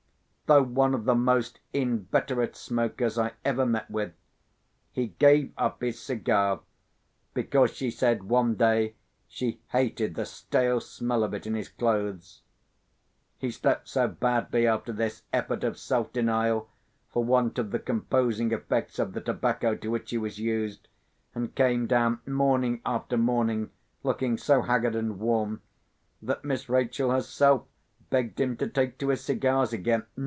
Though one of the most inveterate smokers I ever met with, he gave up his cigar, because she said, one day, she hated the stale smell of it in his clothes. He slept so badly, after this effort of self denial, for want of the composing effect of the tobacco to which he was used, and came down morning after morning looking so haggard and worn, that Miss Rachel herself begged him to take to his cigars again.